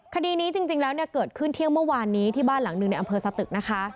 คดีนี้จริงแล้วเนี่ยเกิดขึ้นเที่ยงเมื่อวานนี้ที่บ้านหลังหนึ่งในอำเภอสตึกนะคะ